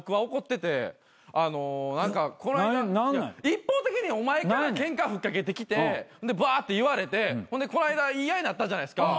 一方的にお前からケンカ吹っ掛けてきてバーッて言われてほんでこの間言い合いになったじゃないですか。